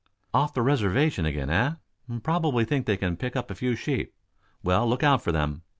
"Off the reservation again, eh? Probably think they can pick up a few sheep. Well, look out for them.